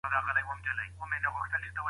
چې زعفران زموږ دی.